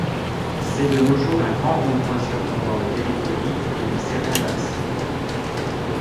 C'est de nos jours un grand rond-point surplombant le périphérique et lui servant d'accès.